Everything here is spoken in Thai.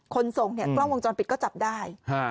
ส่งเนี่ยกล้องวงจรปิดก็จับได้